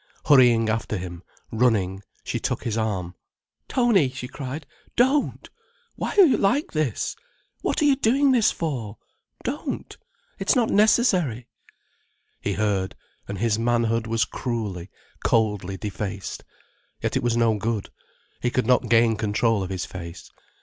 Hurrying after him, running, she took his arm. "Tony," she cried, "don't! Why are you like this? What are you doing this for? Don't. It's not necessary." He heard, and his manhood was cruelly, coldly defaced. Yet it was no good. He could not gain control of his face.